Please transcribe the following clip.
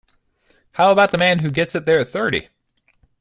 How about the man who gets it there at thirty?